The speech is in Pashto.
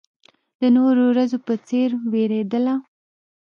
د نورو ورځو په څېر وېرېدله.